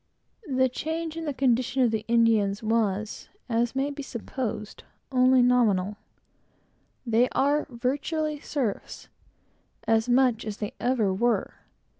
The change in the condition of the Indians was, as may be supposed, only nominal: they are virtually slaves, as much as they ever were.